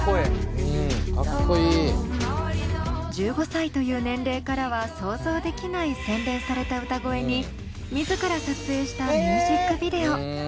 １５歳という年齢からは想像できない洗練された歌声に自ら撮影したミュージックビデオ。